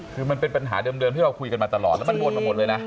คือมันเป็นปัญหาเดิมที่เราคุยกันมาตลอดแล้วมันวนมาหมดเลยนะ